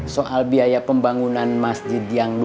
soal biaya pembangunan masjid yang dua m sekian